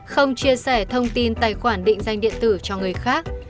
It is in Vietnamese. không chia sẻ thông tin tài khoản định danh điện tử cho người khác